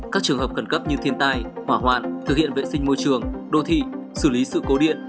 các trường hợp khẩn cấp như thiên tai hỏa hoạn thực hiện vệ sinh môi trường đô thị xử lý sự cố điện